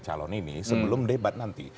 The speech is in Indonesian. calon ini sebelum debat nanti